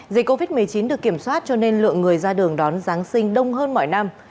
dịch covid một mươi chín được kiểm soát cho nên lượng người ra đường đón giáng sinh đông hơn mọi năm